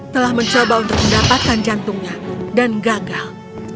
telah mencoba untuk mendapatkan jantungnya dan gagal